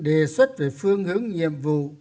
đề xuất về phương hướng nhiệm vụ